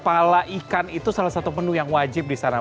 kepala ikan itu salah satu menu yang wajib disana